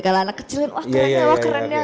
kalo anak kecilin wah keren ya